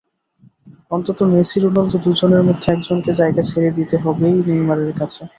অন্তত মেসি-রোনালদো দুজনের মধ্যে একজনকে জায়গা ছেড়ে দিতে হবেই নেইমারের কাছে।